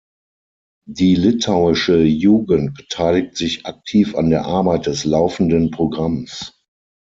Die litauische Jugend beteiligt sich aktiv an der Arbeit des laufenden Programms.